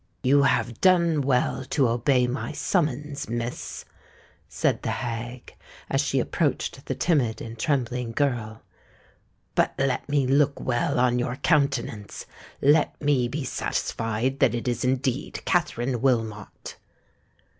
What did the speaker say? "You have done well to obey my summons, Miss," said the hag, as she approached the timid and trembling girl. "But let me look well on your countenance—let me be satisfied that it is indeed Katherine Wilmot."